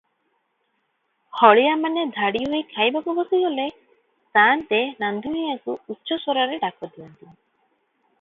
ହଳିଆମାନେ ଧାଡ଼ିହୋଇ ଖାଇବାକୁ ବସିଗଲେ ସାଆନ୍ତେ ରାନ୍ଧୁଣିଆକୁ ଉଚ୍ଚସ୍ୱରରେ ଡାକ ଦିଅନ୍ତି